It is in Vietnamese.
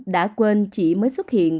đã quên chỉ mới xuất hiện